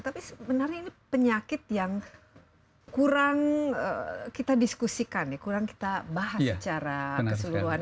tapi sebenarnya ini penyakit yang kurang kita diskusikan ya kurang kita bahas secara keseluruhan